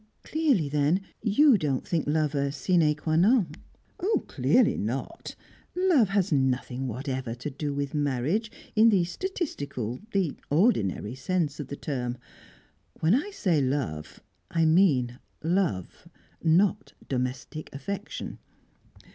"Clearly, then, you don't think love a sine qua non?" "Clearly not. Love has nothing whatever to do with marriage, in the statistical the ordinary sense of the term. When I say love, I mean love not domestic affection.